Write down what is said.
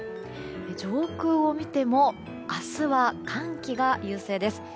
上空を見ても明日は寒気が優勢です。